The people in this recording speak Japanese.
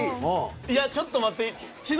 いやちょっと待って。